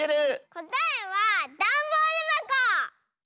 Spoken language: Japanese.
こたえはだんボールばこ！